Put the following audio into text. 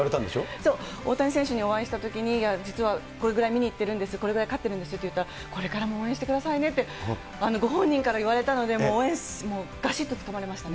そう、大谷選手にお会いしたときに、実はこれぐらい見に行ってるんです、これぐらい勝ってるんですって言ったら、これからも応援してくださいねって、ご本人から言われたので、もう応援、がしっとつかまれましたね。